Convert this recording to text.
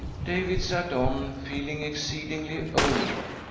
David sat on, feeling exceedingly old.